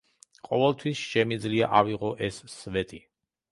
ყოველთვის შემიძლია ავიღო ეს სვეტი.